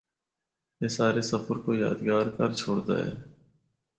اے سارے سفر کو یادگار کر چُھڑدا ہے۔